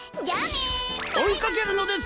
おいかけるのです！